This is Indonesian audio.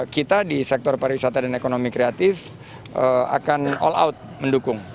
kita di sektor pariwisata dan ekonomi kreatif akan all out mendukung